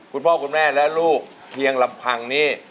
คุณพ่อคุณแม่และลูกเพียงลำพังนี่